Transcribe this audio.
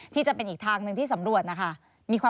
ดีกว่ามารบายบริเวณด้านหน้าทางเดียว